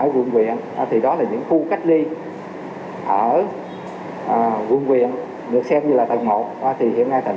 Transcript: quận huyện thì đó là những khu cách ly ở quận quyện được xem như là tầng một thì hiện nay thành